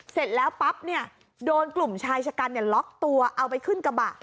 เสร็จแล้วปั๊บเนี่ยโดนกลุ่มชายชะกันล็อกตัวเอาไปขึ้นกระบะ